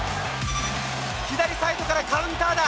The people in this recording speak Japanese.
左サイドからカウンターだ。